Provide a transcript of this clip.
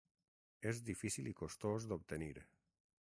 És difícil i costós d'obtenir.